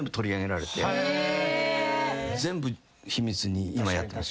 全部秘密に今やって。